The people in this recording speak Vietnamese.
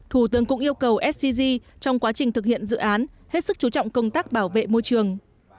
thủ tướng cũng yêu cầu scg trong quá trình thực hiện dự án hết sức chú trọng công tác bảo vệ môi trường